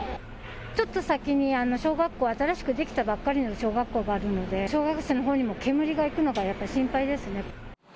ちょっと先に小学校、新しくできたばっかりなので小学校のほうにも煙がいくのが心配ですね。